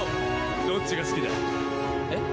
どっちが好きだ？え？